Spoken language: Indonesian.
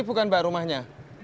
ini bukan bar rumahnya